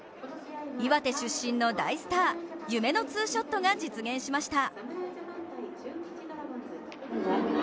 岩手出身の大スター夢のツーショットが実現しました。